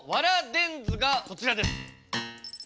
電図がこちらです。